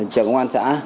trưởng công an xã